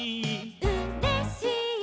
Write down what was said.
「うれしい！」